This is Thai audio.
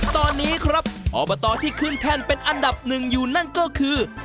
ตอนนี้ครับอบตที่ขึ้นแท่นเป็นอันดับหนึ่งอยู่นั่นก็คือ